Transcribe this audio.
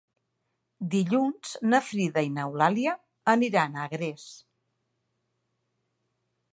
Dilluns na Frida i n'Eulàlia aniran a Agres.